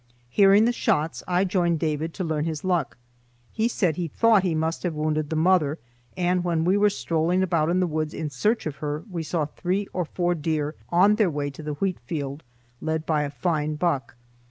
Hearing the shots, I joined David to learn his luck. He said he thought he must have wounded the mother, and when we were strolling about in the woods in search of her we saw three or four deer on their way to the wheat field, led by a fine buck.